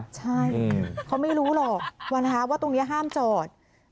ใช่เขาไม่รู้หรอกว่าตรงนี้ห้ามจอด